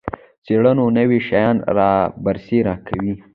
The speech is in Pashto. څیړنه نوي شیان رابرسیره کوي